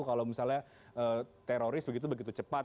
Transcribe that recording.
kalau misalnya teroris begitu begitu cepat